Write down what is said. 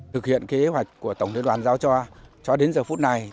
thực hiện kế hoạch của tổng liên đoàn giao cho cho đến giờ phút này